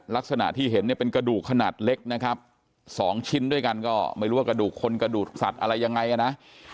ลักษณะที่เห็นเนี่ยเป็นกระดูกขนาดเล็กนะครับ๒ชิ้นด้วยกันก็ไม่รู้ว่ากระดูกคนกระดูกสัตว์อะไรยังไงนะ